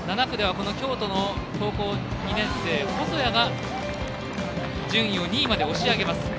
７区では京都の高校２年生、細谷が順位を２位まで押し上げます。